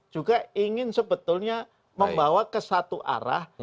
juga ingin sebetulnya membawa ke satu arah